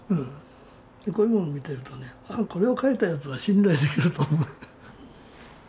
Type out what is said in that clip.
こういうもの見てるとねこれを描いたやつは信頼できると思う。